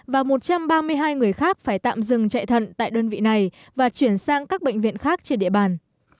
và một trăm ba mươi hai người khác phải tạm dừng chạy thận tại đơn vị này và chuyển sang các bệnh viện khác trên địa bàn